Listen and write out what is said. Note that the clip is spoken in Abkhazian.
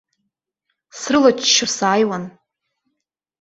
Срылаччо сааиуан.